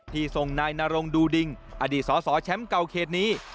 ที่ทรงนายนารงดูดิงอดีตสอแชมป์เก่าเคสนี้